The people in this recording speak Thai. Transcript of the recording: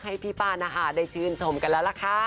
ให้พี่ป้านะคะได้ชื่นชมกันแล้วล่ะค่ะ